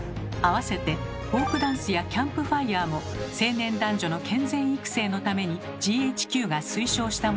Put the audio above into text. あわせてフォークダンスやキャンプファイアも青年男女の健全育成のためにＧＨＱが推奨したものだといいます。